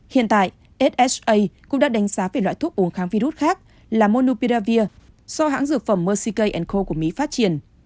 hiện tại hsa cũng đã đánh giá về loại thuốc uống kháng virus khác là monopiravir do hãng dược phẩm mercedec co của mỹ phát triển